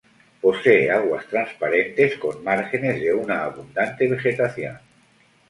Posee aguas transparentes con márgenes de una abundante vegetación.